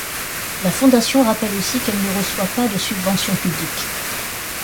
La Fondation rappelle aussi qu’elle ne reçoit pas de subventions publiques.